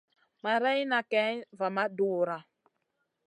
Marayna kayn va ma dura.